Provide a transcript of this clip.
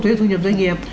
thuế thu nhập doanh nghiệp